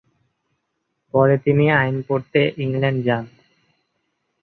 পরে তিনি আইন পড়তে ইংল্যান্ড যান।